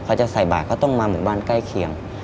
จะใส่บาทก็ต้องมาหมู่บ้านใกล้เคียง